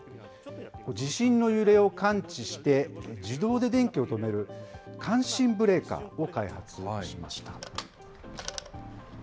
地震の揺れを感知して、自動で電気を止める、感震ブレーカーを開発しました。